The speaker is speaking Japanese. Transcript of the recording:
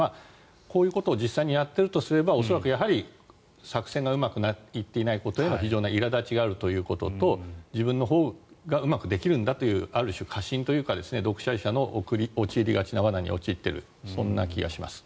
こういうことを実際にやっているとすれば恐らく作戦がうまくいっていないことへの非常ないら立ちがあるということと自分のほうがうまくできるんだという過信というか独裁者の陥りがちな罠に陥っているそんな気がします。